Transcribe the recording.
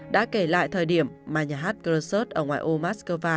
đã kể lại thời điểm mà nhà hát crosso city ở ngoài ô moskova